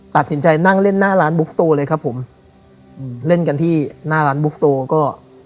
ตัดสินใจนั่งเล่นหน้าร้านบุ๊กโตเลยครับผมอืมเล่นกันที่หน้าร้านบุ๊กโตก็